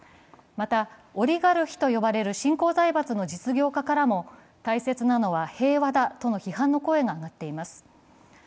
また、オリガルヒと呼ばれる新興財閥の実業家からも大切なのは平和だとの批判の声が上がっています。